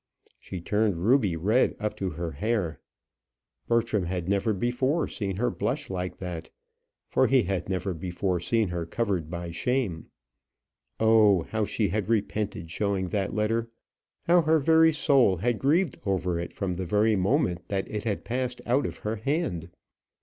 She turned ruby red up to her hair. Bertram had never before seen her blush like that; for he had never before seen her covered by shame. Oh! how she had repented showing that letter! How her soul had grieved over it from the very moment that it had passed out of her hand!